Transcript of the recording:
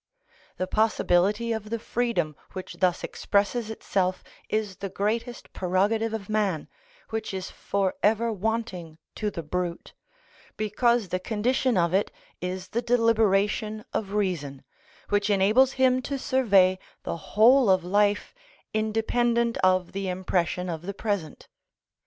The possibility of the freedom which thus expresses itself is the greatest prerogative of man, which is for ever wanting to the brute, because the condition of it is the deliberation of reason, which enables him to survey the whole of life independent of the impression of the present.